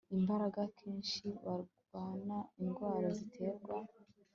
imbaraga akenshi barwara indwara ziterwa